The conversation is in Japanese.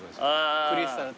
クリスタル。